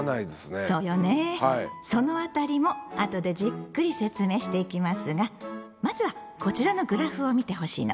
その辺りも後でじっくり説明していきますがまずはこちらのグラフを見てほしいの。